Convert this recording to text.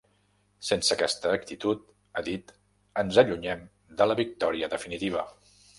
Sense aquesta actitud, ha dit, ‘ens allunyem de la victòria definitiva’.